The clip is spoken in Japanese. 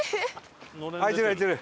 開いてる開いてる。